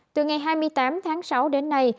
từ ngày hai mươi tám tháng sáu đến nay